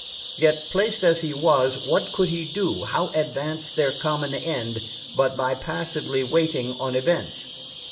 Yet placed as he was, what could he do, how advance their common end, but by passively waiting on events?